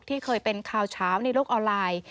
ที่เคยเป็นข่าวเช้าในโลกออนไลน์